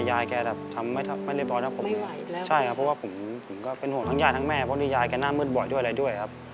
ใช่ครับเพราะว่าผมก็เป็นห่วงทั้งย่ายทั้งแม่เพราะนี่ย้ายกันน่ามืดบ่อยด้วยอะไรด้วยครับ